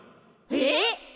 えっ！？